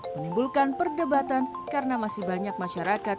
menimbulkan perdebatan karena masih banyak masyarakat